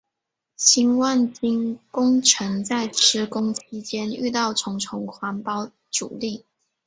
新万金工程在施工期间遇到重重环保阻力。